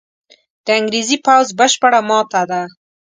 د انګرېزي پوځ بشپړه ماته ده.